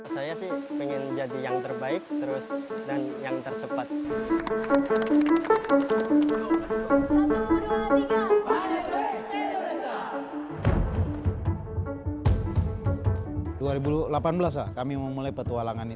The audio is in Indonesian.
saya sih pengen jadi yang terbaik terus dan yang tercepat sih